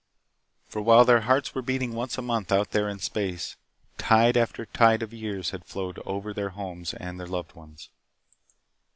For while their hearts were beating once a month out there in space tide after tide of years had flowed over their homes and their loved ones.